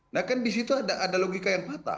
nah kan di situ ada logika yang patah